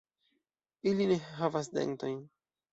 Ili ne havas dentojn.